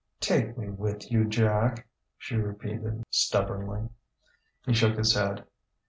"Take me with you, Jack," she repeated stubbornly. He shook his head.